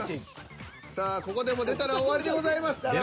さあここでも出たら終わりでございます。